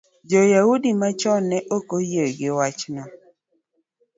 jo-Yahudi machon ne ok oyie gi wachno.